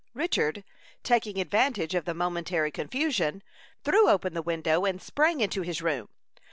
Richard, taking advantage of the momentary confusion, threw open the window, and sprang into his room.